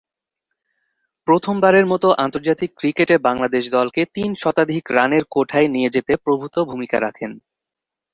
প্রথমবারের মতো আন্তর্জাতিক ক্রিকেটে বাংলাদেশ দলকে তিন শতাধিক রানের কোঠায় নিয়ে যেতে প্রভূতঃ ভূমিকা রাখেন।